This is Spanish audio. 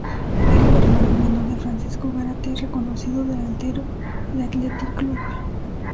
Era el hermano menor de Francisco Gárate, reconocido delantero del Athletic Club.